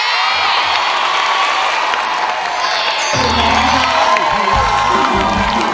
แล้วก็เห็นสายตามุ่งมั่นของคนที่เป็นลูกที่แม่นั่งอยู่ตรงนี้ด้วย